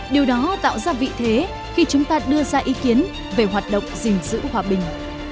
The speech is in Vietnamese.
điều đó tạo ra vị thế khi chúng ta đưa ra ý kiến về hoạt động gìn giữ hòa bình